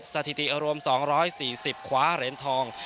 สถิติอารมณ์๒๔๐ขวาเหรนทอง